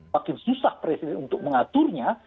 makin susah presiden untuk mengaturnya